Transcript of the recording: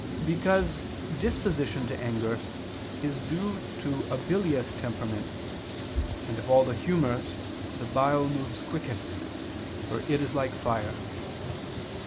Because disposition to anger is due to a bilious temperament; and of all the humors, the bile moves quickest; for it is like fire.